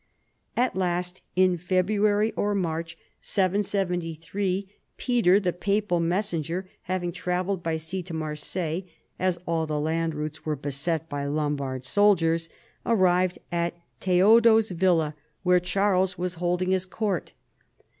At last, in February or March 7Y3, Peter the papal messenger (having travelled by sea to Marseilles, as all the land routes were beset by Lombard soldiers) arrived at Theodo's villa where Charles was holding 122 CHARLEMAGNE. his court.